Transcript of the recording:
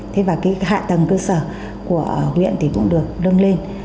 thế và cái hạ tầng cơ sở của huyện thì cũng được nâng lên